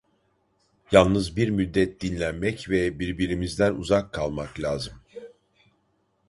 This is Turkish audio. Yalnız bir müddet dinlenmek ve birbirimizden uzak kalmak lazım.